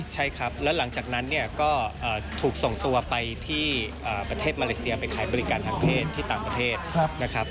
ใช่ครับแล้วหลังจากนั้นเนี่ยก็ถูกส่งตัวไปที่ประเทศมาเลเซียไปขายบริการทางเพศที่ต่างประเทศนะครับ